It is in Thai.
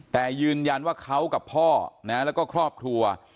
แต่ยืนยันว่าเขากับพ่อนะแล้วก็ครอบครัว